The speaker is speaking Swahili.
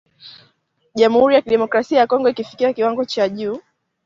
jamuhuri ya kidemokrasia ya Kongo ilifikia kiwango cha juu